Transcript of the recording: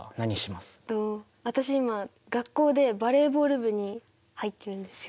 私今学校でバレーボール部に入ってるんですよ。